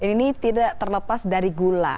ini tidak terlepas dari gula